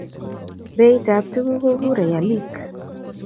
Beit ab tuguk kokurei alik